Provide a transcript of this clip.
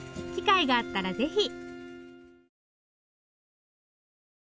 機会があったらぜひ。